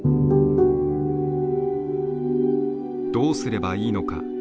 どうすればいいのか。